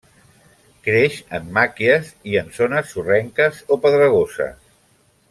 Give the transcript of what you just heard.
Creix en màquies i en zones sorrenques o pedregoses.